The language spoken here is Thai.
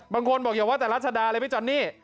บางคนบอกอย่าว่าแต่รัชดาเลยพี่จอนนี่